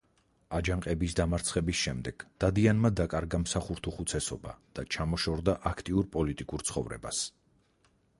აჯანყების დამარცხების შემდეგ დადიანმა დაკარგა მსახურთუხუცესობა და ჩამოშორდა აქტიურ პოლიტიკურ ცხოვრებას.